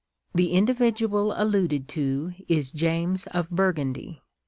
The individual alluded to is James of Burgundy.